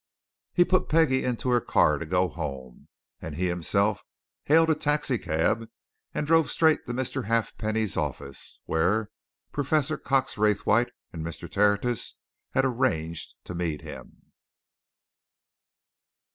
He put Peggie into her car to go home, and himself hailed a taxi cab and drove straight to Mr. Halfpenny's office, where Professor Cox Raythwaite and Mr. Tertius had arranged to meet him.